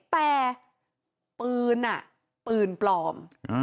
แต่ปืนปืนปลอม